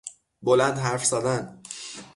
بلند حرف زدن